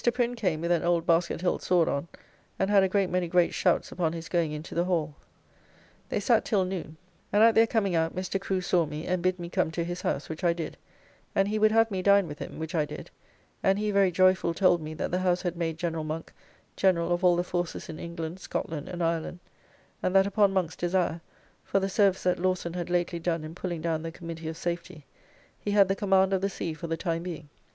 Prin came with an old basket hilt sword on, and had a great many great shouts upon his going into the Hall. They sat till noon, and at their coming out Mr. Crew saw me, and bid me come to his house, which I did, and he would have me dine with him, which I did; and he very joyful told me that the House had made General Monk, General of all the Forces in England, Scotland, and Ireland; and that upon Monk's desire, for the service that Lawson had lately done in pulling down the Committee of Safety, he had the command of the Sea for the time being.